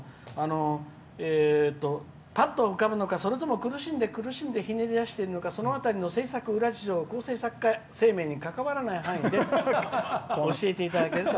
「ぱっと浮かぶのかそれとも苦しんで苦しんでひねり出してるのかその辺りの制作裏事情を放送作家生命にかかわらない範囲で教えていただけると」。